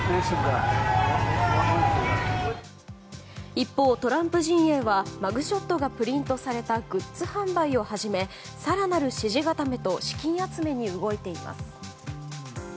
一方、トランプ陣営はマグショットがプリントされたグッズ販売を始め更なる支持固めと資金集めに動いています。